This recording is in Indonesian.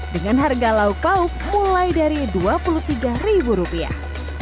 dengan harga lauk lauk mulai dari dua puluh tiga ribu rupiah